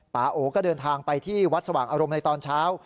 โอก็เดินทางไปที่วัดสว่างอารมณ์ในตอนเช้า